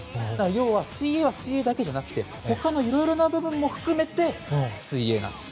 要は水泳は水泳だけじゃなくて他のいろいろな部分も含めて水泳なんです。